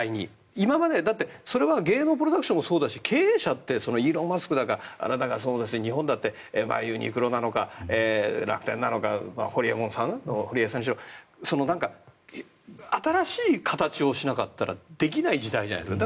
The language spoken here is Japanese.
今まで、だってそれは芸能プロダクションもそうだし経営者ってイーロン・マスクだってそうだし日本だってユニクロなのか、楽天なのかホリエモンさんとか新しい形をしなかったらできない時代じゃないですか。